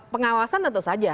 pengawasan tentu saja